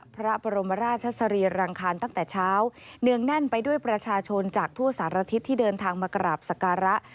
พระบรมราชสรีรังคารตั้งแต่เช้าเนื่องแน่นไปด้วยประชาชนจากทั่วสารทิศที่เดินทางมากราบสการะ